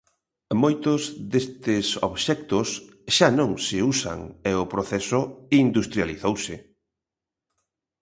Moitos destes obxectos xa non se usan e o proceso industrializouse.